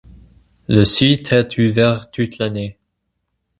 Le site est ouvert toute l'année.